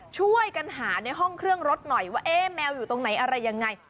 ช่วยกันหาในห้องเครื่องรถหน่อยว่าเอ๊ะแมวอยู่ตรงไหนอะไรยังไง